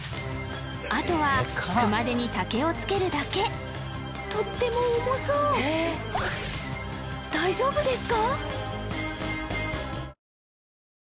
あとは熊手に竹を付けるだけとっても重そう大丈夫ですか？